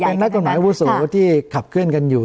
เป็นนักกฎหมายอาวุโสที่ขับเคลื่อนกันอยู่